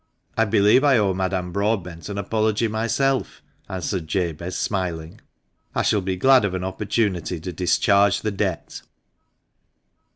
" I believe I owe Madame Broadbent an apology myself," answered Jabez, smiling. " I shall be glad of an opportunity to discharge the debt."